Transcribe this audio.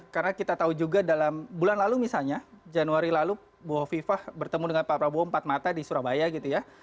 karena kita tahu juga dalam bulan lalu misalnya januari lalu buho viva bertemu dengan pak prabowo empat mata di surabaya gitu ya